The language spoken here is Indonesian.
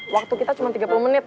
waktu kita cuma tiga puluh menit